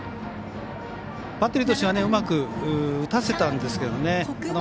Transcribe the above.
バッテリーとしてはうまく打たせたんですけどね。